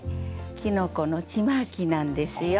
きのこのちまきなんですよ。